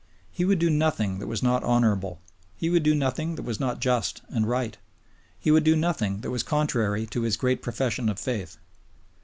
He would do nothing that was not honorable; he would do nothing that was not just and right; he would do nothing that was contrary to his great profession of faith.